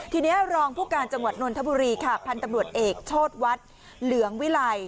ทีนี้รองผู้การจังหวัดนนทบุรีค่ะพันธุ์ตำรวจเอกโชธวัดเหลืองวิลัย